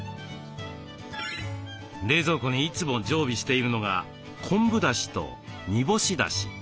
冷蔵庫にいつも常備しているのが昆布だしと煮干しだし。